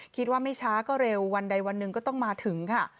คิดว่าไม่ช้าก็เร็ววันใดวันหนึ่งก็ต้องมาถึงค่ะ